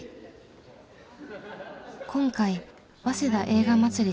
今回「早稲田映画まつり」